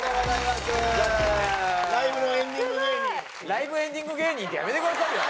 ライブエンディング芸人ってやめてくださいよ。